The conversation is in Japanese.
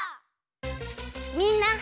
みんな。